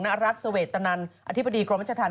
รัฐเสวตนันอธิบดีกรมรัชธรรม